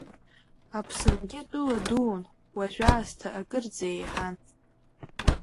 Аԥсынгьы тәыла дуун, уажәаасҭа акырӡа еиҳан.